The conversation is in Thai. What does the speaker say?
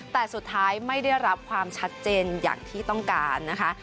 แต่สุดท้ายไม่ได้รับความชัดเจนอย่างที่ต้องการนะคะ